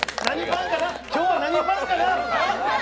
今日は何パンかな？